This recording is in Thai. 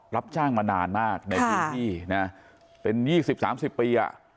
รับจ้างมานานมากในชีวิตนี้เป็น๒๐๓๐ปี